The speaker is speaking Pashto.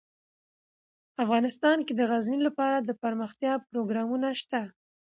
افغانستان کې د غزني لپاره دپرمختیا پروګرامونه شته.